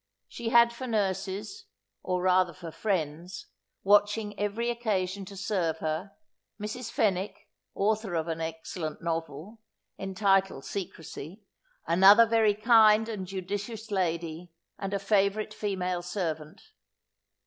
She had for nurses, or rather for friends, watching every occasion to serve her, Mrs. Fenwick, author of an excellent novel, entitled Secrecy, another very kind and judicious lady, and a favourite female servant.